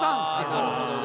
ああなるほどね。